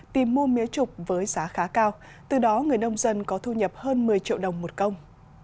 tìm mua mía trục với giá khá cao từ đó người nông dân có thu nhập hơn một mươi triệu đồng một công